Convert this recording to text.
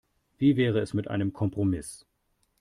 Wie wäre es mit einem Kompromiss?